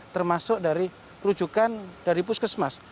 termasuk dari rujukan dari puskesmas